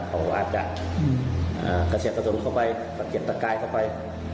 เขาจะกระเฉกกระทนเข้าไปกระเจ็ดตะไก่เข้าไป